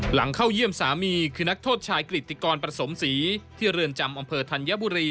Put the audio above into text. เข้าเยี่ยมสามีคือนักโทษชายกริตติกรประสมศรีที่เรือนจำอำเภอธัญบุรี